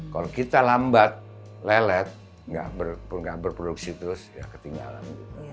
kalau kita lambat lelet nggak berproduksi terus ya ketinggalan